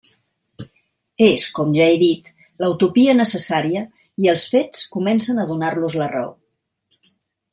És, com ja he dit, la utopia necessària i els fets comencen a donar-los la raó.